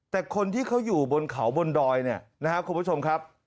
แต่คนที่เขาอยู่บนเขาบนดอยเนี่ยนะครับคุณผู้ชมครับ